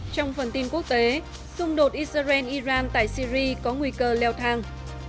trong phần tin quốc tế xung đột israel iran tại syri có nguy cơ leo thang